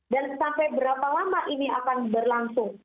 dan sampai berapa lama ini akan berlangsung